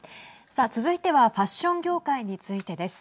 さあ続いてはファッション業界についてです。